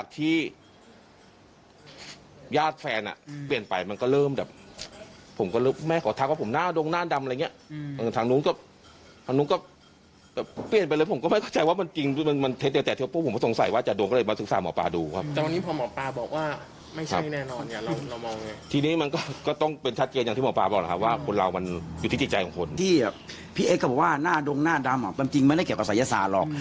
พี่เอสก็บอกว่าหน้าดงหน้าดำเป็นจริงไม่ได้เกี่ยวกับศัยศาสตร์หรอก